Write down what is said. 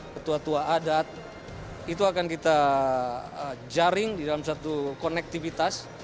ketua tua adat itu akan kita jaring di dalam satu konektivitas